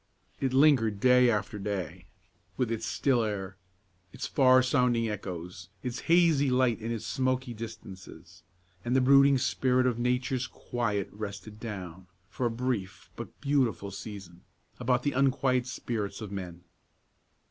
It lingered day after day, with its still air, its far sounding echoes, its hazy light and its smoky distances; and the brooding spirit of nature's quiet rested down, for a brief but beautiful season, about the unquiet spirits of men.